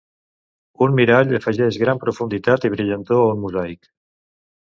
Un mirall afegeix gran profunditat i brillantor a un mosaic.